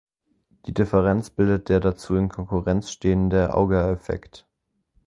Die Differenz bildet der dazu in Konkurrenz stehende Auger-Effekt.